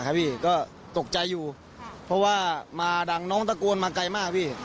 พี่ก็ตกใจอยู่เพราะว่ามาดังน้องตะโกนมาไกลมากพี่